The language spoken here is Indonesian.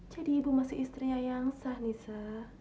jadi ibu masih istrinya yang sah nisa